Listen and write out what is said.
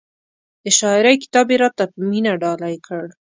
د شاعرۍ کتاب یې را ته په مینه ډالۍ کړ.